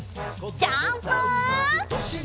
ジャンプ！